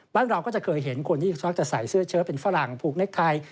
เราก็จะเคยเห็นคนที่ชักจะใส่เสื้อเชื้อเป็นฝรั่งผูกเล็กไทย